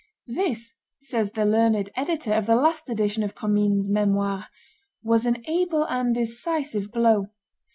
"This," says the learned editor of the last edition of Commynes' Memoires, "was an able and decisive blow.